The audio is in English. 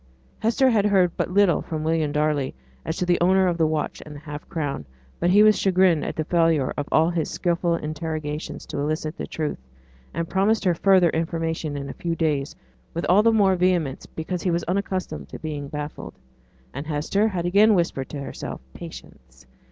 Hester had heard but little from William Darley as to the owner of the watch and the half crown; but he was chagrined at the failure of all his skilful interrogations to elicit the truth, and promised her further information in a few days, with all the more vehemence because he was unaccustomed to be baffled. And Hester had again whispered to herself 'Patience!